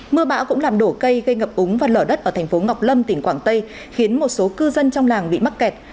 mưa bão cũng làm đổ cây gây ngập úng và lở đất ở thành phố ngọc lâm tỉnh quảng tây khiến một số cư dân trong làng bị mắc kẹt